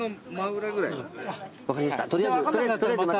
分かりました。